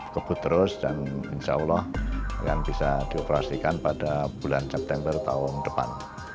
kebutrus dan insya allah akan bisa dioperasikan pada bulan september tahun depan